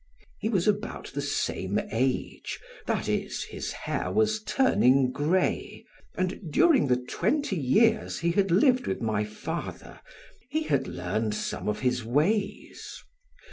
He was about the same age, that is, his hair was turning gray, and during the twenty years he had lived with my father, he had learned some of his ways.